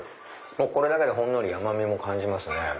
これだけでほんのり甘みも感じますね。